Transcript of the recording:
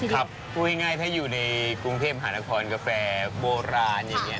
พูดง่ายถ้าอยู่ในกรุงเทพหานครกาแฟโบราณอย่างนี้